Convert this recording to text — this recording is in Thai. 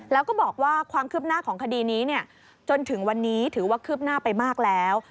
แล้วก็บอกว่าความคืบหน้าของคดีนี้จนถึงวันนี้ถือว่าคืบหน้าไปมากแล้ว